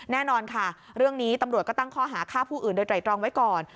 แน่นอนค่ะเรื่องนี้ตำรวจก็ตั้งข้อหาฆ่าผู้อื่นโดยไตรตรองไว้ก่อน